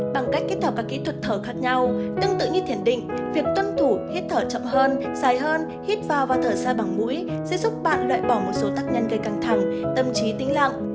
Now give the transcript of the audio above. bằng cách kết hợp các kỹ thuật thở khác nhau tương tự như thiền định việc tuân thủ hít thở chậm hơn dài hơn hít vào và thở ra bằng mũi sẽ giúp bạn loại bỏ một số tác nhân gây căng thẳng tâm trí tính lặng